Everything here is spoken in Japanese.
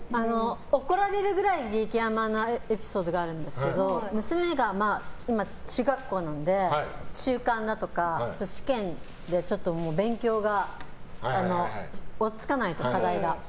怒られるくらい激甘なエピソードがあるんですけど娘が今、中学校なので中間だとか試験で勉強がおっつかないと、課題が。